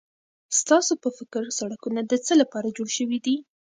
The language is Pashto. ستاسو په فکر سړکونه د څه لپاره جوړ شوي دي؟